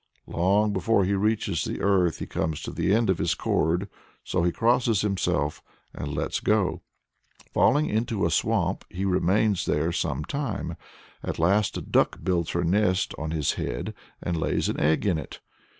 Long before he reaches the earth he comes to the end of his cord, so he crosses himself, and lets go. Falling into a swamp, he remains there some time. At last a duck builds her nest on his head, and lays an egg in it.